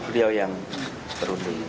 dia yang berunding